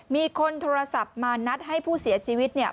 มีคนโทรศัพท์มานัดให้ผู้เสียชีวิตเนี่ย